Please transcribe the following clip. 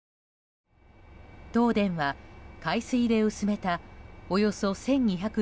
東電は、海水で薄めたおよそ１２００